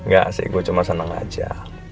gak sih gue cuma seneng aja